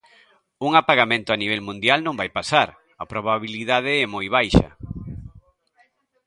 Un apagamento a nivel mundial non vai pasar, a probabilidade é moi baixa.